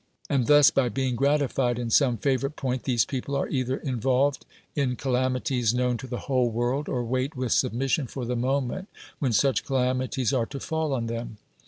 And thus, by being gratified in some favorite point, these people are either involved in calam. ities known to the whole world, or wait with submission for the moment when such calamities are to fall on them.